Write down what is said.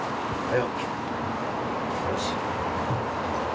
よし。